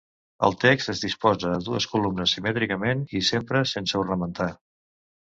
El text es disposa a dues columnes simètricament i sempre sense ornamentar.